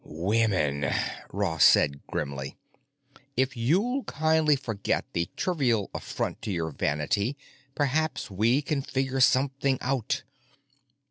"Women!" Ross said grimly. "If you'll kindly forget the trivial affront to your vanity perhaps we can figure something out."